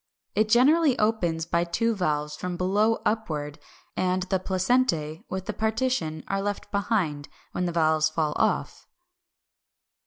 It generally opens by two valves from below upward, and the placentæ with the partition are left behind when the valves fall off.